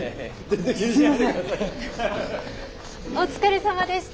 お疲れさまでした。